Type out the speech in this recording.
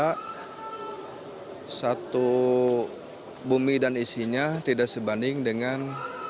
karena satu bumi dan isinya tidak sebanding dengan